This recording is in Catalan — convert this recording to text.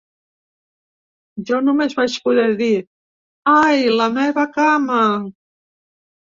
Jo només vaig poder dir: Ai, la meva cama!